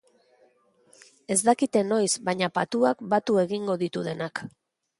Ez dakite noiz, baina patuak batu egingo ditu denak.